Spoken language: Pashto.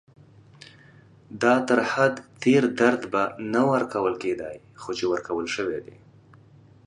دا تر حد تېر درد به نه ورکول کېدای، خو چې ورکول شوی دی.